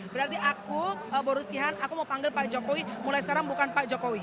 berarti aku borussihan aku mau panggil pak jokowi mulai sekarang bukan pak jokowi